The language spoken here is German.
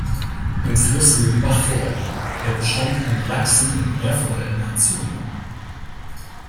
Im Fluss leben Bachforellen, der Bestand an Lachsen und Meerforellen hat zugenommen.